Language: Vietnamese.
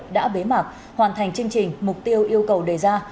đã bế mạc hoàn thành chương trình mục tiêu yêu cầu đề ra